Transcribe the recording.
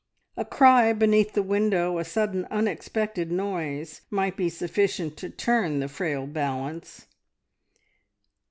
A cry beneath the window, a sudden, unexpected noise might be sufficient to turn the frail balance.